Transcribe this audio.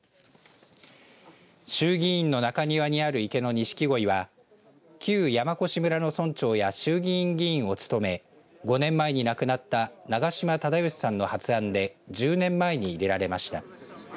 衆議院の中庭にある池のにしきごいは旧山古志村の村長や衆議院議員を務め５年前に亡くなった長島忠美さんの発案で１０年前に入れられました。